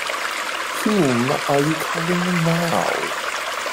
Whom are you calling now?